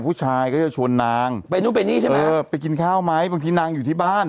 ผู้ชายก็แบบโทรไปถามนางว่า